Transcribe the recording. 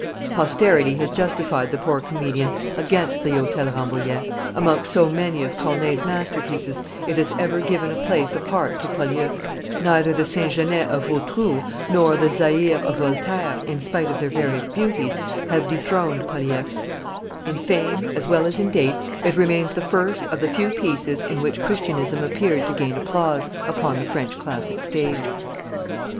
Posterity has justified the poor comedian against the Hotel Rambouillet; amongst so many of Corneille's masterpieces it has ever given a place apart to Polyeucte; neither the Saint Genest of Rotrou, nor the Zaire of Voltaire, in spite of their various beauties, have dethroned Polyeucte; in fame as well as in date it remains the first of the few pieces in which Christianism appeared, to gain applause, upon the French classic stage.